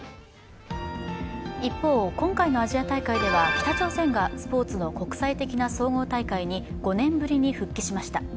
一方、今回のアジア大会では北朝鮮がスポーツの国際的な総合大会に５年ぶりに復帰しました。